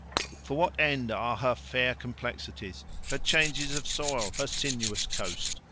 For what end are her fair complexities, her changes of soil, her sinuous coast?